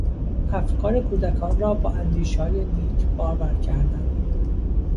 افکار کودکان را با اندیشههای نیک بارور کردن